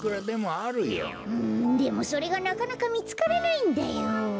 うんでもそれがなかなかみつからないんだよ。